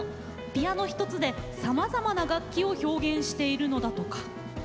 ピアノ一つで、さまざまな楽器を表現しているのだとか。